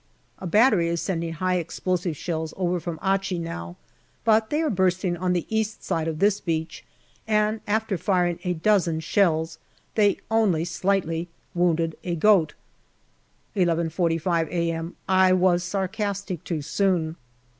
A battery is sending high explosive shells over from Achi now, but they are bursting on the east side of this beach, and after firing a dozen shells they only slightly wounded a goat. 150 GALLIPOLI DIARY 11.45 a.m. I was sarcastic too soon.